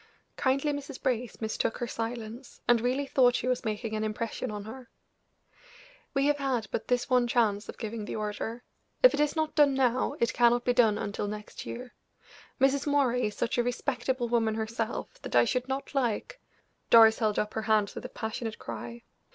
Kindly Mrs. Brace mistook her silence, and really thought she was making an impression on her. "We have had but this one chance of giving the order; if it is not done now, it cannot be done until next year. Mrs. Moray is such a respectable woman herself that I should not like " Doris held up her hands with a passionate cry.